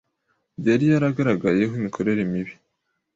yari yaragaragayeho imikorere mibi